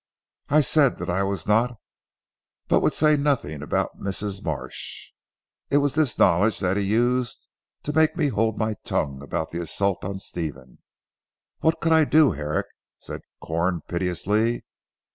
I said that I was not but would say nothing about Mrs. Marsh. It was this knowledge that he used to make me hold my tongue about the assault on Stephen. What could I do Herrick?" said Corn piteously.